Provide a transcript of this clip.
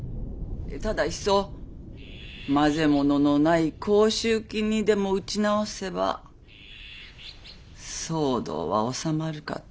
ただいっそ混ぜ物のない甲州金にでも打ち直せば騒動は収まるかと。